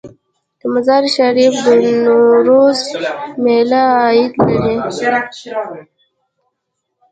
د مزار شریف د نوروز میله عاید لري؟